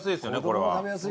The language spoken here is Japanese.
これは。